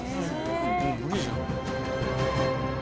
もう無理じゃん。